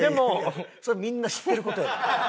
それみんな知ってる事やねん。